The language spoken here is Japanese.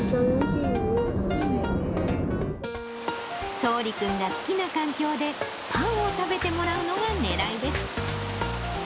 そうり君が好きな環境で、パンを食べてもらうのがねらいです。